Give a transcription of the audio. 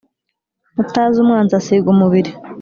Utazi umwanzi asiga umubiri.